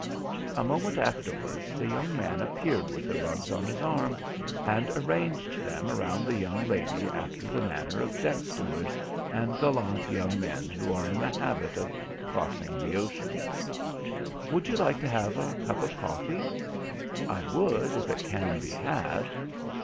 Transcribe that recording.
A moment afterwards the young man appeared with the rugs on his arm, and arranged them around the young lady after the manner of deck stewards and gallant young men who are in the habit of crossing the ocean. "Would you like to have a cup of coffee?" "I would, if it can be had."